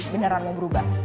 beneran mau berubah